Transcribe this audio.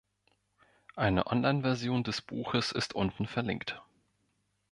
Eine Online-Version des Buches ist unten verlinkt.